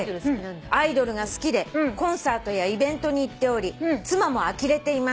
「アイドルが好きでコンサートやイベントに行っており妻もあきれています」